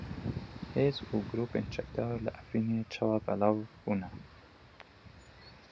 Hêz û grûpên çekdar li Efrînê çawa belav bûne?